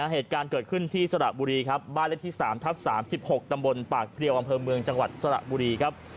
เหตุการณ์เกิดขึ้นที่สระบุรีครับบ้านเลขที่๓ทับ๓๖ตำบลปากเพลียวอำเภอเมืองจังหวัดสระบุรีครับ